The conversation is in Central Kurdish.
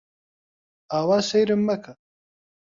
ئاوا سەیرم مەکە!